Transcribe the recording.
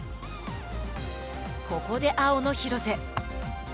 ここで青の廣瀬。